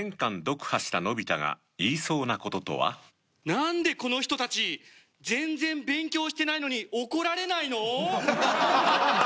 「何でこの人たち全然勉強してないのに怒られないの！？」。